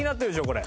これ。